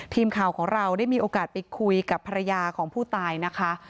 ทีมข่าวของเราได้มีโอกาสไปคุยกับภรรยาของผู้ตายนะคะ